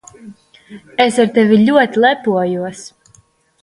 Es ar tevi ļoti lepojos!